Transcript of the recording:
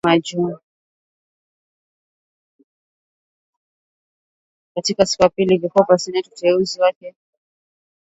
Katika siku ya pili ya vikao vya seneti kuhusu uteuzi wake katika mahakama ya juu